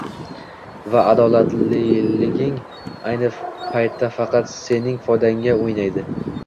va adolatliliging ayni paytda faqat sening foydangga o‘ynaydi.